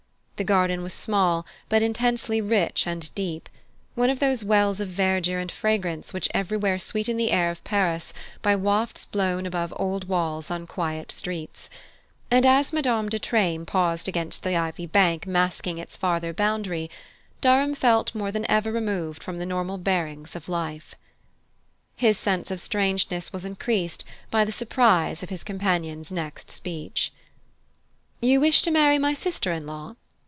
The garden was small, but intensely rich and deep one of those wells of verdure and fragrance which everywhere sweeten the air of Paris by wafts blown above old walls on quiet streets; and as Madame de Treymes paused against the ivy bank masking its farther boundary, Durham felt more than ever removed from the normal bearings of life. His sense of strangeness was increased by the surprise of his companion's next speech. "You wish to marry my sister in law?"